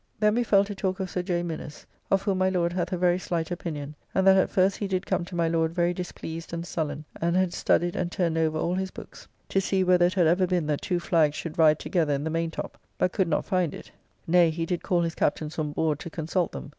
Then we fell to talk of Sir J. Minnes, of whom my Lord hath a very slight opinion, and that at first he did come to my Lord very displeased and sullen, and had studied and turned over all his books to see whether it had ever been that two flags should ride together in the main top, but could not find it, nay, he did call his captains on board to consult them.